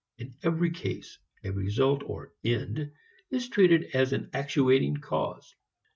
In every case, a result or "end" is treated as an actuating cause.